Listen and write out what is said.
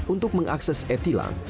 untuk mengakses e tilang